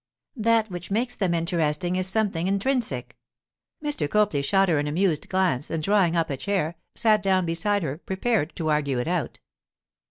That which makes them interesting is something intrinsic.' Mr. Copley shot her an amused glance, and drawing up a chair, sat down beside her, prepared to argue it out.